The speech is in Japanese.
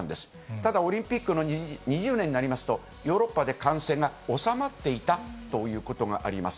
ただオリンピックの２０年になりますと、ヨーロッパで感染が収まっていたということがあります。